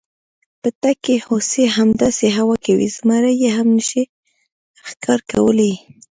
په تګ کې هوسۍ، همداسې هوا کوي، زمري یې هم نشي ښکار کولی.